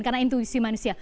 karena intuisi manusia